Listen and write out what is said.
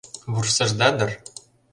Вурсышда дыр?